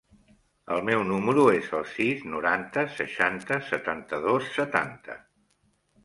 El meu número es el sis, noranta, seixanta, setanta-dos, setanta.